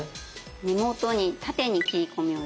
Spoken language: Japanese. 根元に縦に切り込みを入れる。